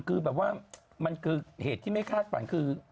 คือแบบว่ามันคือเหตุที่ไม่คาดฝันคือ